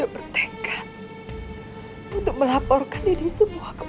mereka akan berubah